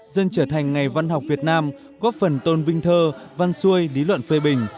dần trở thành ngày văn học việt nam góp phần tôn vinh thơ văn xuôi lý luận phê bình